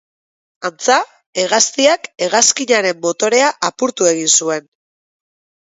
Antza, hegaztiak hegazkinaren motorea apurtu egin zuen.